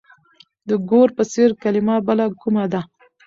د ګور په څېر کلمه بله کومه ده؟